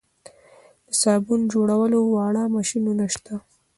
د صابون جوړولو واړه ماشینونه شته